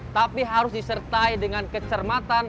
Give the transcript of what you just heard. tapi harus disertai dengan kecermatan